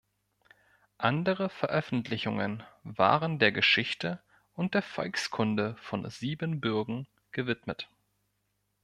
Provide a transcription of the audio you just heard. Andere Veröffentlichungen waren der Geschichte und der Volkskunde von Siebenbürgen gewidmet.